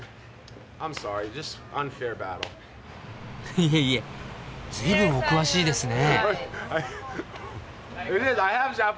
いえいえ随分お詳しいですね。